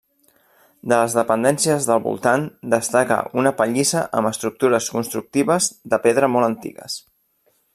De les dependències del voltant destaca una pallissa amb estructures constructives de pedra molt antigues.